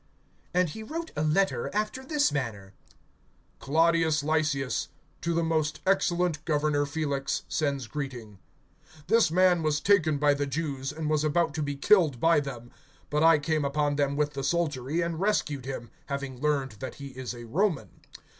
(25)And he wrote a letter after this manner: (26)Claudius Lysias to the most excellent governor Felix, sends greeting. (27)This man was taken by the Jews, and was about to be killed by them; but I came upon them with the soldiery, and rescued him, having learned that he is a Roman.